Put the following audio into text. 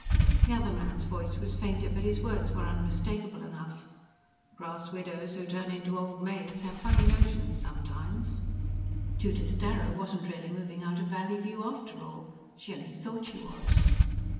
The other man's voice was fainter, but his words were unmistakable enough: "Grass widows who turn into old maids have funny notions sometimes." Judith Darrow wasn't really moving out of Valleyview after all. She only thought she was.